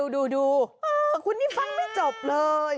ดูคุณนี่ฟังไม่จบเลย